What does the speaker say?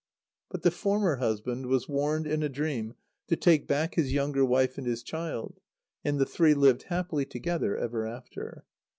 But the former husband was warned in a dream to take back his younger wife and his child, and the three lived happily together ever after.